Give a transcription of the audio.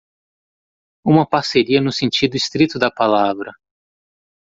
Uma parceria no sentido estrito da palavra.